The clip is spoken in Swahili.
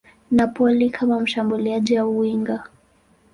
Napoli kama mshambuliaji au winga.